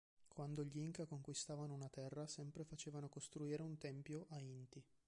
Quando gli inca conquistavano una terra sempre facevano costruire un tempio a Inti.